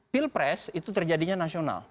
pilpres itu terjadinya nasional